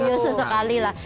ya sesekali lah